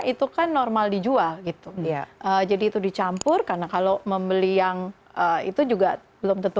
itu kan normal dijual gitu ya jadi itu dicampur karena kalau membeli yang itu juga belum tentu